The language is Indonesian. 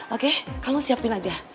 oke kamu siapin aja